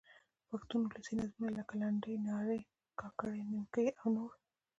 د پښتو اولسي نظمونه؛ لکه: لنډۍ، نارې، کاکړۍ، نیمکۍ او نور.